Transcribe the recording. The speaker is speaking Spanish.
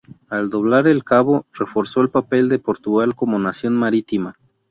Al doblar el cabo, reforzó el papel de Portugal como nación marítima.